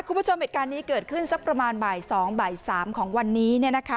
คุณผู้ชมเหตุการณ์นี้เกิดขึ้นสักประมาณบ่ายสองบ่ายสามของวันนี้เนี่ยนะคะ